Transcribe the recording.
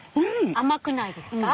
甘くないですか？